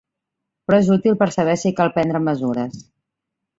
Però és útil per saber si cal prendre mesures.